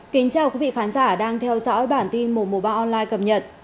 kính chào quý vị khán giả đang theo dõi bản tin một trăm một mươi ba online cập nhật